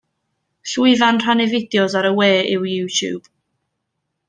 Llwyfan rhannu fideos ar y we yw YouTube.